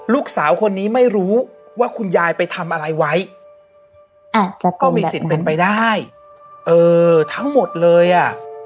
ลูกสาวคนนี้ไม่รู้ว่าคุณยายไปทำอะไรไว้ก็มีสิทธิ์เป็นไปได้เออทั้งหมดเลยอ่ะ